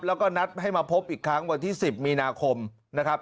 แล้วก็นัดให้มาพบอีกครั้งวันที่๑๐มีนาคมนะครับ